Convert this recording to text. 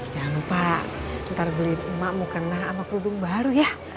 jangan lupa ntar beliin emakmu kena ama peludung baru ya